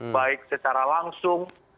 baik secara langsung